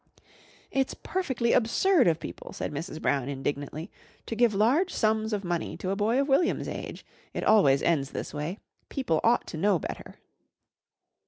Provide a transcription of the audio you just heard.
"It's perfectly absurd of people," said Mrs. Brown indignantly, "to give large sums of money to a boy of William's age. It always ends this way. People ought to know better."